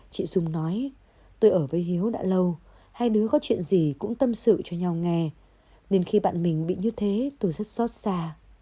chị dung nói tôi ở với hiếu đã lâu hai đứa có chuyện gì cũng tâm sự cho nhau nghe nên khi bạn mình bị như thế tôi rất xót xa